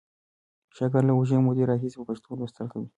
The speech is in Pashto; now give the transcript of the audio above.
شاګرد له اوږدې مودې راهیسې په پښتو لوستل کوي.